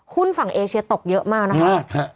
หุ้นฝั่งเอเชียตกเยอะมากนะคะ